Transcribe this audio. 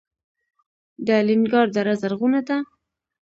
د الینګار دره زرغونه ده